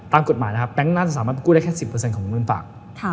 ตามกฎหมายนะครับแบงค์นั้นสามารถกู้ได้แค่๑๐ของเงินฝาก